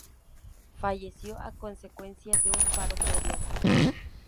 Falleció a consecuencia de un paro cardíaco.